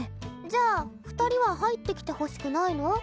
「じゃあ２人は入ってきてほしくないの？